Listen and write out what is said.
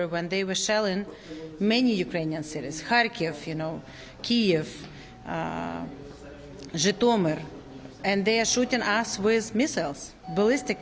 banyak seri ukraina kharkiv kiev zhytomyr dan mereka menembak kita dengan misil misil balistik